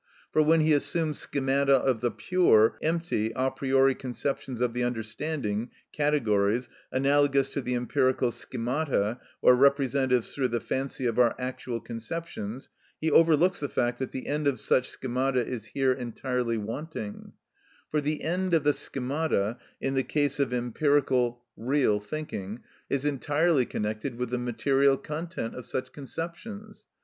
For when he assumes schemata of the pure (empty) a priori conceptions of the understanding (categories) analogous to the empirical schemata (or representatives through the fancy of our actual conceptions), he overlooks the fact that the end of such schemata is here entirely wanting, For the end of the schemata in the case of empirical (real) thinking is entirely connected with the material content of such conceptions.